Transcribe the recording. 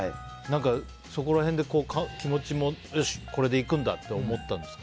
そこら辺で気持ちもよし、これでいくんだと思ったんですか？